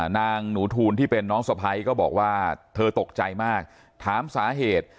นางหนูทูลที่เป็นน้องสะพ้ายก็บอกว่าเธอตกใจมากถามสาเหตุ